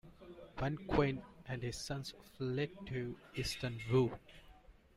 Wen Qin and his sons fled to Eastern Wu.